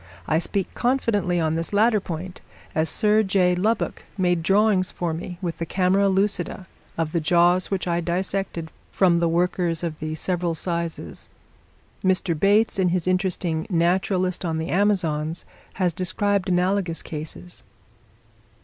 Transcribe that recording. I speak confidently on this latter point, as Sir J. Lubbock made drawings for me, with the camera lucida, of the jaws which I dissected from the workers of the several sizes. Mr. Bates, in his interesting "Naturalist on the Amazons," has described analogous cases.